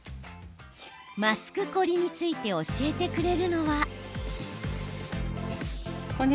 マスクコリについて教えてくれるのは。